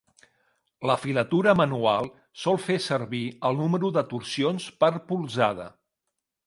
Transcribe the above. La filatura manual sol fer servir el número de torsions per polzada.